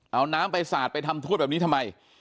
เอาน้ำไปสาดไปทำโทษแบบนี้ทำไม